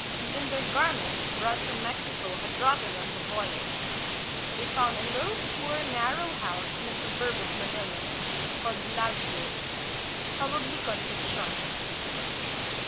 Even their garments brought from Mexico had rotted on the voyage. They found a little, poor, narrow house in a suburb of Manila, called Laguio (probably Concepcion).